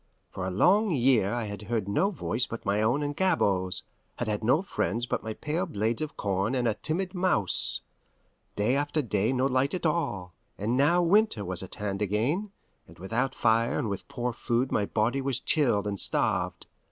For a long year I had heard no voice but my own and Gabord's, had had no friends but my pale blades of corn and a timid mouse, day after day no light at all; and now winter was at hand again, and without fire and with poor food my body was chilled and starved.